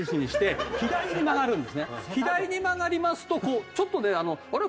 左に曲がりますとこうちょっとねあれ？